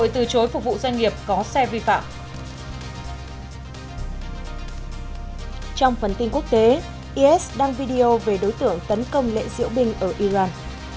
tình quốc tế is đăng video về đối tượng tấn công lệ diễu binh ở iran